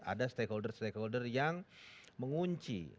ada stakeholders stakeholders yang mengunci